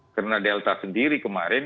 karena delta sendiri kemarin